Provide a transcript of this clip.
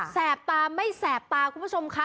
แปบตาไม่แสบตาคุณผู้ชมค่ะ